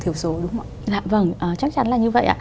thiểu số đúng không ạ vâng chắc chắn là như vậy ạ